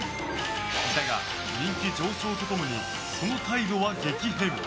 だが、人気上昇と共にその態度は激変。